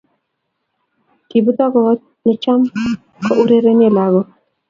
Kibutoko koot ne cham ku ureren lagok